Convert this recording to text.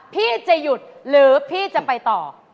พี่จะหยุดหรือพี่จะไปต่อ